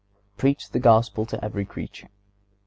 (118) "Preach the Gospel to every creature."